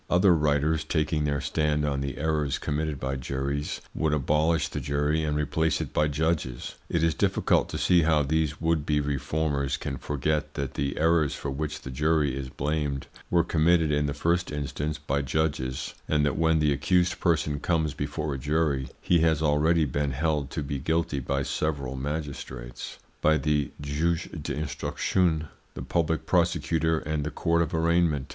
Other writers, taking their stand on the errors committed by juries, would abolish the jury and replace it by judges. It is difficult to see how these would be reformers can forget that the errors for which the jury is blamed were committed in the first instance by judges, and that when the accused person comes before a jury he has already been held to be guilty by several magistrates, by the juge d'instruction, the public prosecutor, and the Court of Arraignment.